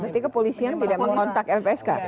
berarti kepolisian tidak mengontak lpsk